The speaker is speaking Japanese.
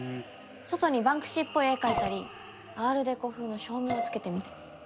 外にバンクシーっぽい絵描いたりアールデコ風の照明をつけてみたり。